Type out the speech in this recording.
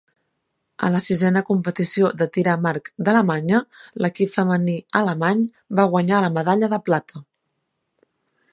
A la sisena competició de tir amb arc d'Alemanya, l'equip femení alemany va guanyar la medalla de plata.